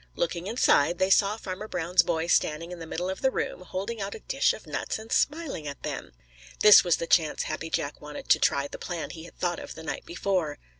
Looking inside, they saw Farmer Brown's boy standing in the middle of the room, holding out a dish of nuts and smiling at them. This was the chance Happy Jack wanted to try the plan he had thought of the night before.